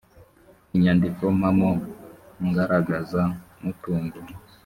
inyandiko mpamo ngaragaza mutungo